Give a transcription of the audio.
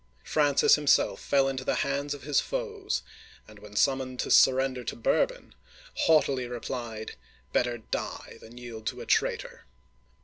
Francis him self fell into the hands of his foes, and when summoned to surrender to Bourbon, haughtily replied, "Better die than yield to a traitor!